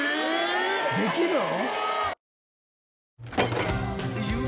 できるん？